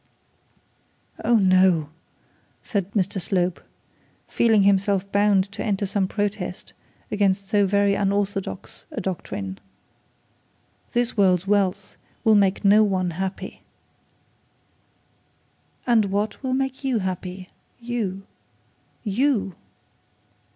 'Oh, no,' said Mr Slope, feeling himself bound to enter some protest against so very unorthodox a doctrine, 'this world's wealth will make no one happy.' 'And what will make you happy you you?'